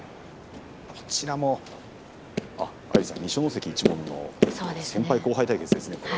こちらも二所ノ関一門の先輩後輩対決ですね。